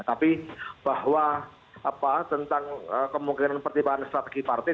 tapi bahwa tentang kemungkinan pertimbangan strategi partai